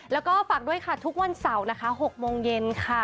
แล้วก็ฝากด้วยค่ะทุกวันเสาร์นะคะ๖โมงเย็นค่ะ